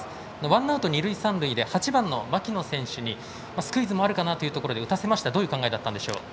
ワンアウト二塁三塁で８番の牧野選手にスクイズもあるかなというところ打たせましたがどういう考えでしたか。